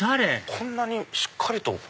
こんなにしっかりと。